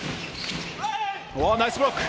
ナイスブロック！